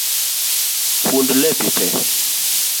Fund lepi tee